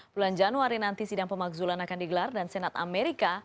bulan januari nanti sidang pemakzulan akan digelar dan senat amerika